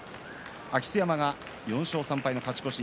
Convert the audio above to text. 明瀬山が４勝３敗の勝ち越し。